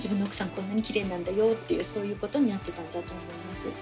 こんなにキレイなんだよっていうそういうことになってたんだと思います。